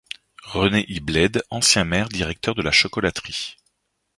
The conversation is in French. René Ibled, ancien maire, directeur de la chocolaterie.